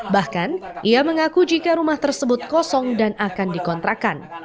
bahkan ia mengaku jika rumah tersebut kosong dan akan dikontrakan